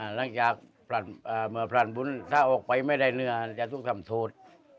หลังจากเมื่อผลันบุญถ้าออกไปไม่ได้เนื้อจะต้องทำโทษ